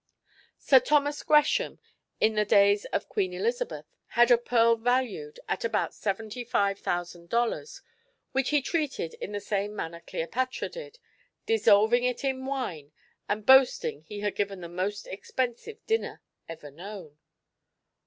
Sir Thomas Gresham, in the days of Queen Elizabeth, had a pearl valued at about seventy five thousand dollars which he treated in the same manner Cleopatra did, dissolving it in wine and boasting he had given the most expensive dinner ever known."